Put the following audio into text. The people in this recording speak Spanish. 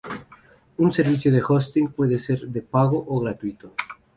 Un servicio de "hosting" puede ser de pago o gratuito.